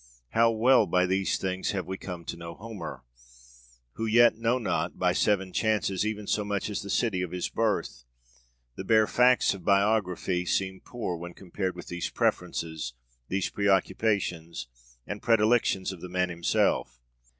How well by these things have we come to know Homer who yet know not by seven chances even so much as the city of his birth! The bare facts of biography seem poor when compared with these preferences, these preoccupations and predilections of the very man himself.